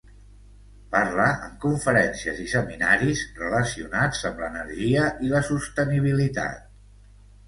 Parla en conferències i seminaris relacionats amb l'energia i la sostenibilitat